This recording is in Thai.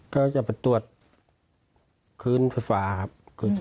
ก็จะไปตรวจพื้นไฟฟ้าครับ